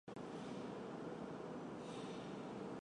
它采用了电子吉他及当时最先进的合成器来制作曲目。